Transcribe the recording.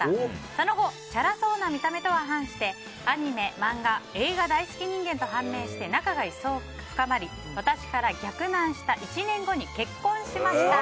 その後、チャラそうな見た目とは反してアニメ、漫画、映画大好き人間と判明して仲が一層深まり私から逆ナンした１年後に結婚しました。